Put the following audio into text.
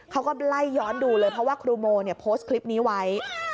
เขาก็ไล่ย้อนดูเลยเพราะว่าครูโมโพสต์คลิปนี้ไว้